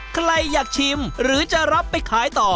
ใครอยากชิมหรือจะรับไปขายต่อ